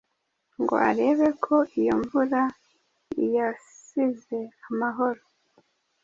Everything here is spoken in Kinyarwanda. ngo arebe ko iyo mvura iyasize amahoro